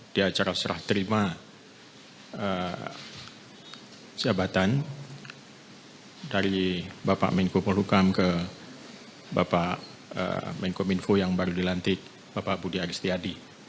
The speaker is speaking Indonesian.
di acara serah terima siabatan dari bapak menko paul hukam ke bapak menko minfo yang baru dilantik bapak budi aris yadi